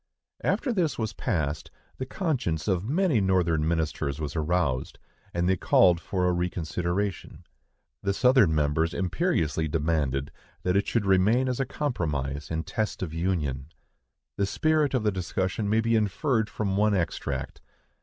After this was passed, the conscience of many Northern ministers was aroused, and they called for a reconsideration. The Southern members imperiously demanded that it should remain as a compromise and test of union. The spirit of the discussion may be inferred from one extract.